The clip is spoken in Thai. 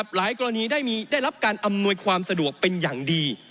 หลายกรณีได้รับการอำนวยความสะดวกเป็นอย่างดี